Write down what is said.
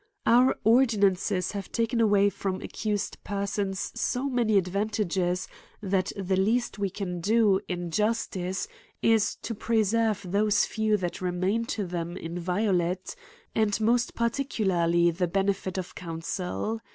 Our ordinances have taken away from accused persons so many advantages, that the least we can do, in justice, is to preserve those few that remain to them, inviolate ; and most particularly the benefit of counsel.